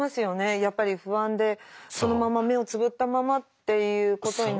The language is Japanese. やっぱり不安でそのまま目をつぶったままっていうことになりたくないっていう。